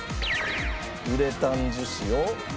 ウレタン樹脂を。